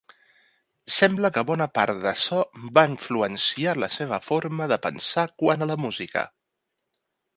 Sembla que bona part d'açò va influenciar la seva forma de pensar quant a la música.